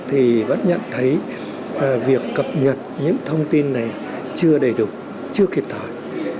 thì vẫn nhận thấy việc cập nhật những thông tin này chưa đầy đủ chưa kịp thời